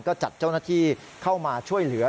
ก็จัดเจ้าหน้าที่เข้ามาช่วยเหลือ